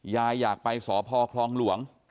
ยายอยากไปสอพครองหลวง